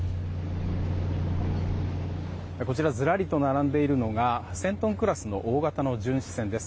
こちらずらりと並んでいるのが１０００トンクラスの大型の巡視船です。